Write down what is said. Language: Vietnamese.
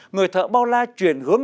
người thợ bao la chuyển hướng